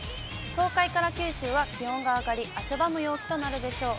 東海から九州は気温が上がり、汗ばむ陽気となるでしょう。